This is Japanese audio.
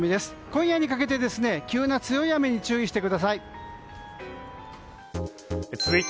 今夜にかけて急な強い雨に注意してください。